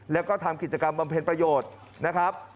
แล้วก็ทำกิจกรรมบำเพ็ญประโยชน์นะครับ